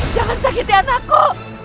jangan sakiti anakku